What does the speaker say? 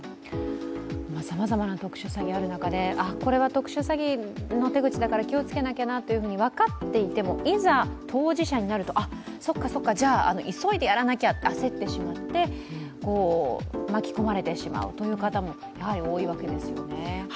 さまざまな特殊詐欺がある中でこれは特殊詐欺の手口だから気をつけなきゃと分かっていても分かっていても、いざ当事者になると、そっかそっか急いでやらなきゃと焦ってしまって、巻き込まれてしまうという方も多いわけですよね。